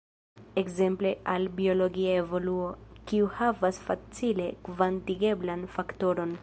Ekzemple al biologia evoluo, kiu havas facile kvantigeblan faktoron.